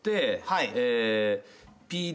はい。